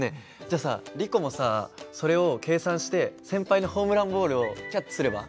じゃあさリコもさそれを計算して先輩のホームランボールをキャッチすれば？